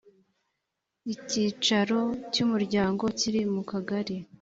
icyicaro cy umuryango kiri mu kagali